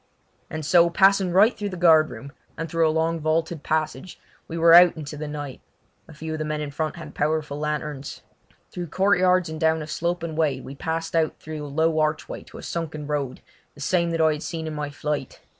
And so, passing right through the guard room, and through a long vaulted passage, we were out into the night. A few of the men in front had powerful lanterns. Through courtyards and down a sloping way we passed out through a low archway to a sunken road, the same that I had seen in my flight.